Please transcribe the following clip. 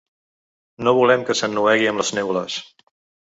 No volem que s’ennuegui amb les neules.